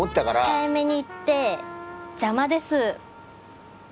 控えめに言って邪魔です。